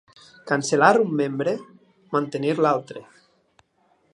Cancel·lar un membre, mantenir l'altre.